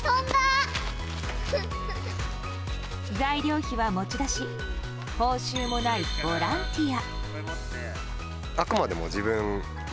材料費は持ち出し報酬もないボランティア。